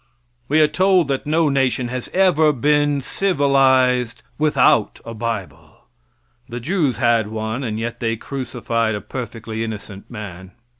We are told that no nation has ever been civilized without a bible. The Jews had one, and yet they crucified a perfectly innocent man.